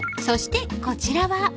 ［そしてこちらは］